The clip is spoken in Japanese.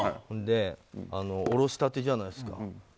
それでおろしたてじゃないですか。